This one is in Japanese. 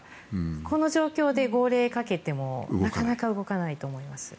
この状況で号令をかけてもなかなか動かないと思います。